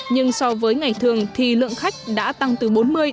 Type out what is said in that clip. nhưng so với ngày thường thì lượng khách đã tăng từ bốn mươi năm mươi